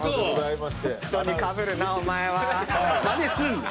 まねすんな！